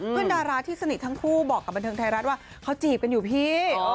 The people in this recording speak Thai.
ดาราที่สนิททั้งคู่บอกกับบันเทิงไทยรัฐว่าเขาจีบกันอยู่พี่